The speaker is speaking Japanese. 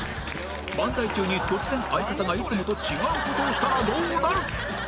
漫才中に突然相方がいつもと違う事をしたらどうなる？